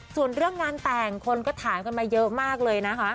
ส่วนเรื่องงานแต่งคนก็ถามกันมาเยอะมากเลยนะคะ